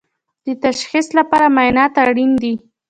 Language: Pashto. د تشخیص لپاره معاینات اړین دي